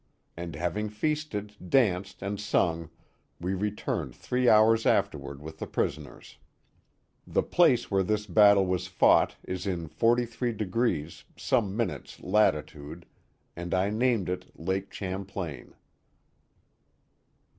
And having feasted, danced and sung, we returned three hours afterward with the prisoners. The place where this battle was fought is in forty three degrees, some minutes latitude, and I named it Lake Champlain.